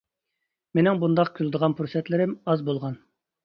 مېنىڭ بۇنداق كۈلىدىغان پۇرسەتلىرىم ئاز بولغان.